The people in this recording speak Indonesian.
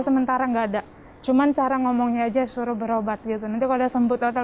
sementara enggak ada cuman cara ngomongnya aja suruh berobat gitu nanti kalau sempurna